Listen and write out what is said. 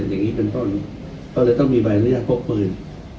อย่างนี้เป็นต้นต้องมีใดเนื้อโฟกปืน